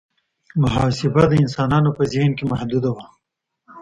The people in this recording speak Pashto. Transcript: محاسبه د انسانانو په ذهن کې محدوده وه.